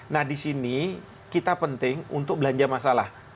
nah di sini kita penting untuk belanja masalah